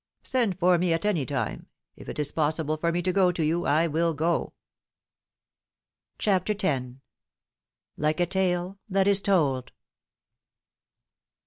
" Send for me at any time. If it is possible for me to go to you I will go." CHAPTER X. LIKE A TALE THAT IS TOLD.